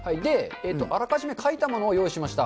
あらかじめ書いたものを用意しました。